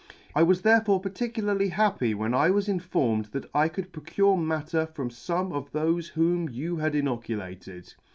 I was therefore particularly happy when I was in formed that I could procure matter from fome of thofe whom you had inoculated.